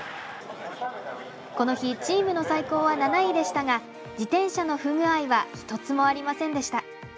この日チームの最高は７位でしたが自転車の不具合は１つもありませんでした。